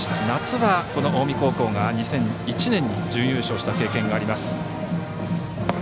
夏はこの近江高校が２００１年に準優勝した経験があります。